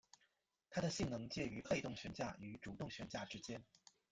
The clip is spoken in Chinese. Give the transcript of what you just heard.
它的性能介于被动悬架与主动悬架之间。